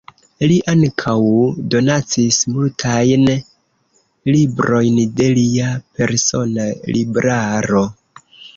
Li ankaŭ donacis multajn librojn de lia persona libraro.